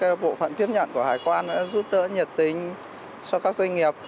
các bộ phận tiếp nhận của hải quan đã giúp đỡ nhiệt tình cho các doanh nghiệp